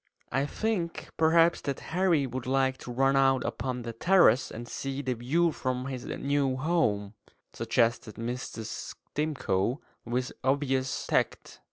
"I think perhaps that Harry would like to run out upon the terrace and see the view from his new home," suggested Mrs. Stimcoe, with obvious tact.